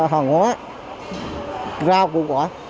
hòn hóa rau củ quả